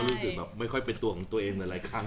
แยกสนุกครับอยากให้ดูได้สาระแล้วก็ไม่เครียดด้วย